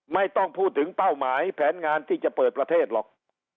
ไม่ต้องพูดถึงเป้าหมายแผนงานที่จะเปิดประเทศหรอก